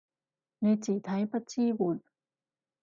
你字體不支援